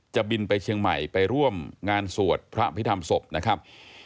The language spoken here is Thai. จะบินไปเชียงใหม่ไปร่วมงานสวดพระพิธรรมศพนะครับ